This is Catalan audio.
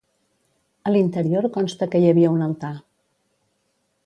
A l'interior consta que hi havia un altar.